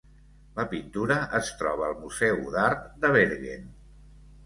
La pintura es troba al museu d'art de Bergen.